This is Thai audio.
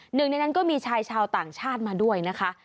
หนึ่งในนั้นก็มีชายชาวต่างชาติมาด้วยนะคะ